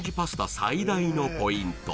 最大のポイント